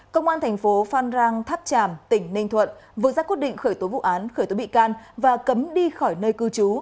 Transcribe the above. công an thành phố phan rang tháp tràm tỉnh ninh thuận vừa ra quyết định khởi tố vụ án khởi tố bị can và cấm đi khỏi nơi cư trú